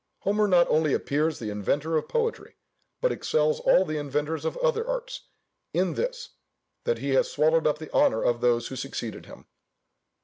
Homer not only appears the inventor of poetry, but excels all the inventors of other arts, in this, that he has swallowed up the honour of those who succeeded him.